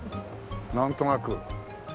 なんとなく。